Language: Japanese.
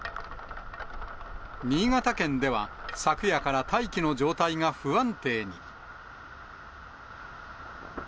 新潟県では昨夜から大気の状態が不安定に。